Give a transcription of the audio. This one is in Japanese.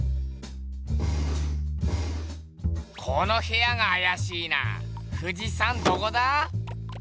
この部屋があやしいな富士山どこだ？